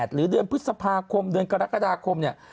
หรือเดือนพฤษภาคมเดือนกรกฎาคมเนี่ย